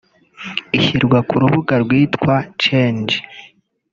ishyirwa ku rubuga rwitwa Change